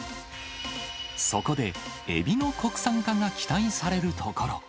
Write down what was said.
そこで、エビの国産化が期待されるところ。